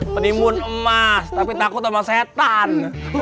penimbun emas tapi takut sama setan